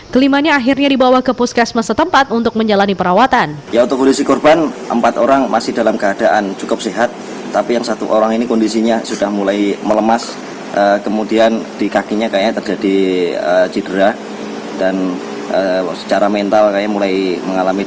kelimanya akhirnya dievakuasi setelah tim basarnas berhasil menembus gelombang tinggi